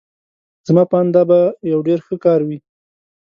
زما په آند دا به یو ډېر ښه کار وي.